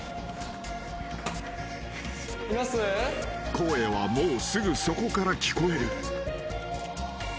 ［声はもうすぐそこから聞こえる］